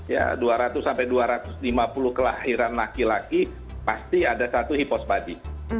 ya dua ratus sampai dua ratus lima puluh kelahiran laki laki pasti ada satu hipospadi